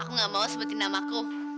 aku gak mau sebutin namaku